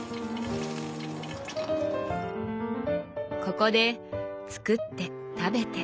ここで作って食べて。